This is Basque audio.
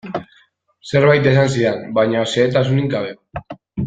Zerbait esan zidan, baina xehetasunik gabe.